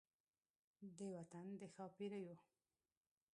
د وطن د ښا پیریو